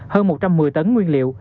hơn một trăm một mươi tấn nguyên liệu